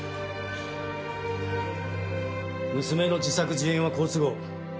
娘の自作自演は好都合。